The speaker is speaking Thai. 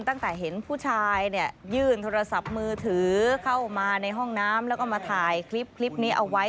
ตั้งแต่เห็นผู้ชายเนี่ยยื่นโทรศัพท์มือถือเข้ามาในห้องน้ำแล้วก็มาถ่ายคลิปนี้เอาไว้